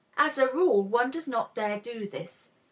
As a rule, one does not dare do this.